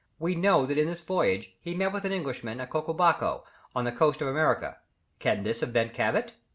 We know that in this voyage he met with an Englishman at Caquibaco, on the coast of America. Can this have been Cabot?